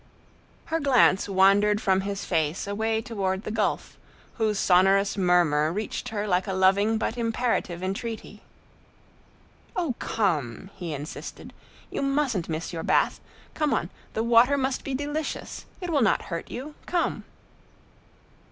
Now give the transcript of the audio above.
Her glance wandered from his face away toward the Gulf, whose sonorous murmur reached her like a loving but imperative entreaty. "Oh, come!" he insisted. "You mustn't miss your bath. Come on. The water must be delicious; it will not hurt you. Come."